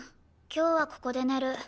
今日はここで寝る。